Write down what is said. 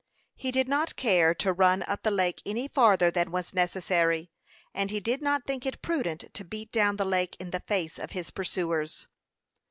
He did not care to run up the lake any farther than was necessary, and he did not think it prudent to beat down the lake in the face of his pursuers.